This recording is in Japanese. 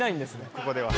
ここでは。